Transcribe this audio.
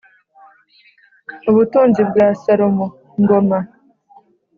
Ubutunzi bwa Salomo( Ngoma -)